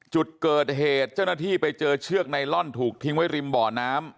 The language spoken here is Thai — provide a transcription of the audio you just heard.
จุดเกิดเหตุเจ้าหน้าที่ไปเจอเชือกไนลอนถูกทิ้งไว้ริมบ่อน้ำ